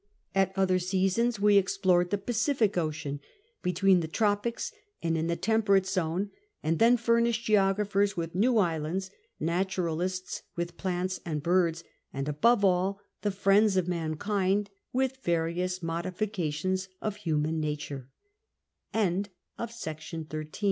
At other seasons we explored the I'acific Ocean between the tropics and in tlie temperate zone, and then furnished geograj^hers with new islands, naturalists with plants and birds, an<l, above all, the friends of mankind with various modifications of hu